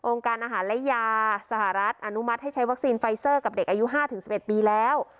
องค์การอาหารและยาสหรัฐอนุมัติให้ใช้วัคซีนไฟเซอร์กับเด็กอายุห้าถึงสิบเอ็ดปีแล้ว